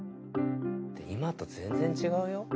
今と全然違うよ。